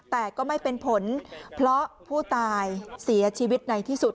แต่ก็ไม่เป็นผลเพราะผู้ตายเสียชีวิตในที่สุด